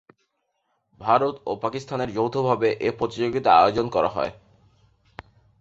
ভারত ও পাকিস্তান যৌথভাবে এ প্রতিযোগিতা আয়োজন করে।